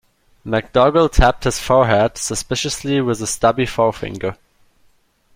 MacDougall tapped his forehead suspiciously with a stubby forefinger.